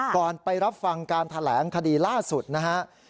ไปรับฟังการแถลงคดีล่าสุดนะฮะ